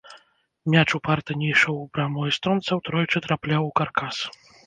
Мяч упарта не ішоў у браму эстонцаў, тройчы трапляў у каркас.